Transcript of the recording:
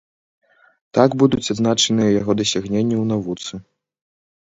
Так будуць адзначаныя яго дасягненні ў навуцы.